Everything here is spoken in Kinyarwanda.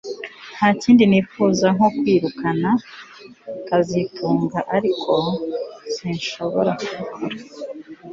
Nta kindi nifuza nko kwirukana kazitunga ariko sinshobora kubikora